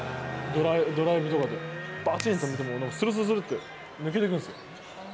ドライブとかで、ばちんと止めても、するするするって、抜けていくんですよ。